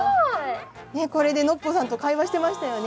ねえこれでノッポさんと会話してましたよね。